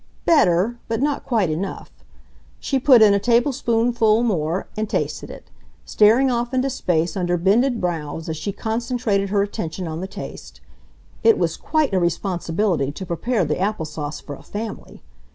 Better, but not quite enough. She put in a tablespoonful more and tasted it, staring off into space under bended brows as she concentrated her attention on the taste. It was quite a responsibility to prepare the apple sauce for a family.